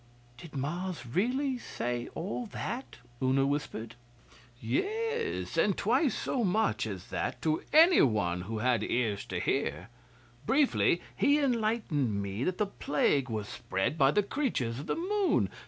'Did Mars really say all that?' Una whispered. 'Yes, and twice so much as that to any one who had ears to hear. Briefly, he enlightened me that the plague was spread by the creatures of the Moon.